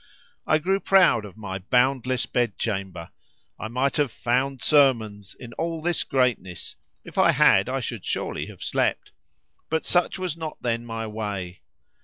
I grew proud of my boundless bedchamber. I might have "found sermons" in all this greatness (if I had I should surely have slept), but such was not then my way.